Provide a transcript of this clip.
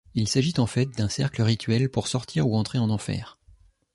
Il s'agit en fait d'un cercle rituel pour sortir ou entrer en enfer.